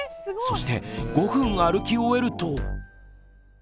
そして５分歩き終えると。